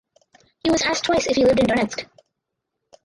He was asked twice if he lived in Donetsk.